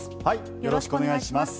よろしくお願いします。